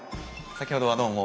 先ほどはどうも。